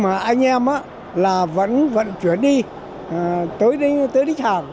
ông thiều quang mộc chín mươi bốn tuổi dân công xe thù